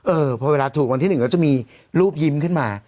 เออพอเวลาถูกวันที่๑ก็จะมีรูปยิ้มขึ้นมา